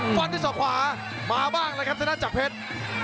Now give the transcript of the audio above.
ฟันที่สองขวามาบ้างเลยครับสดานจักรเพชร